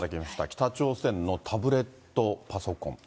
北朝鮮のタブレットパソコン。